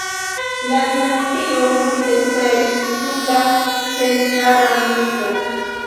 La dinastio multe suferis dum la centjara milito.